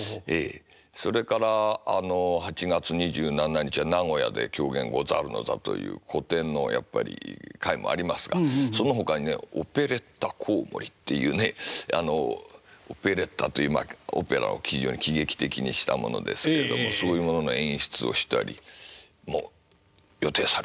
それからあの８月２７日は名古屋で「狂言ござる乃座」という古典のやっぱり会もありますがそのほかにねオペレッタ「こうもり」っていうねあのオペレッタというまあオペラを非常に喜劇的にしたものですけれどもそういうものの演出をしたりも予定されています。